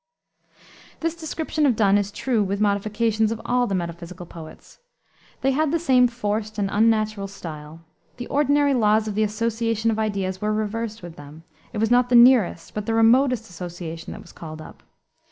This description of Donne is true, with modifications, of all the metaphysical poets. They had the same forced and unnatural style. The ordinary laws of the association of ideas were reversed with them. It was not the nearest, but the remotest, association that was called up.